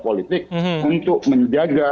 politik untuk menjaga